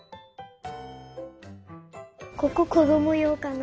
こここどもようかな？